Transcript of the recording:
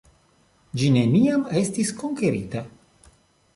Ĝi neniam estis konkerita.